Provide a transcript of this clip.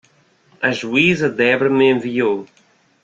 A juíza Debra me enviou.